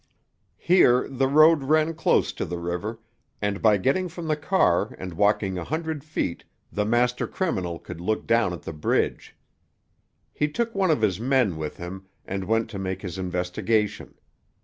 Here the road ran close to the river, and by getting from the car and walking a hundred feet the master criminal could look down at the bridge. He took one of his men with him and went to make his investigation.